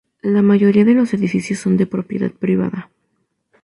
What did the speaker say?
La mayoría de los edificios son de propiedad privada.